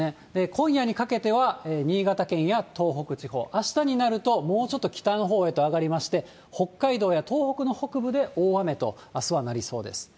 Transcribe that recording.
今夜にかけては、新潟県や東北地方、あしたになるともうちょっと北のほうへと上がりまして、北海道や東北の北部で大雨と、あすはなりそうです。